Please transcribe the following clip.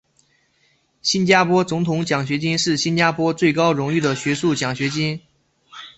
新加坡总统奖学金是新加坡最高荣誉的学术奖学金。